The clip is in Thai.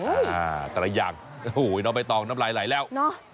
อ่าแต่ละอย่างโหน้องใบตองน้ำไหล่แล้ว